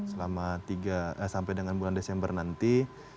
sampai dengan bulan desember nanti